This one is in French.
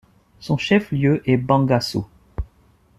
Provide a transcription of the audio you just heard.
Son chef-lieu est Bangassou.